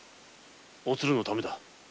おつるのためだ。